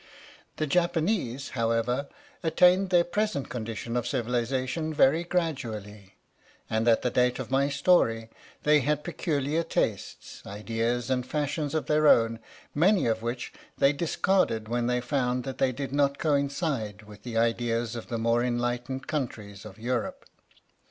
The Japanese, however, attained their present condition of civilization very gradually, and at the date of my story they had peculiar tastes, ideas and fashions of their own, many of which they discarded when they found that they did not coincide I B THE STORY OF THE MIKADO with the ideas of the more enlightened countries of Europe.